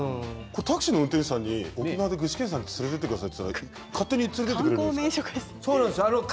タクシーの運転手さんに沖縄で具志堅さんの家に連れて行ってくださいって言えば連れてってくれるんですか？